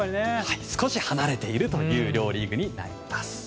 少し離れている両リーグになります。